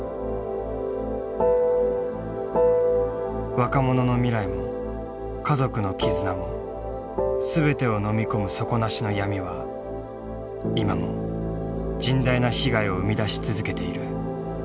若者の未来も家族の絆も全てをのみ込む底なしの闇は今も甚大な被害を生み出し続けている。